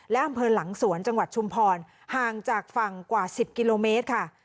และอำเภอหลังสวนจังหวัดชุมพรห่างจากฝั่งกว่า๑๐กิโลเมตรค่ะ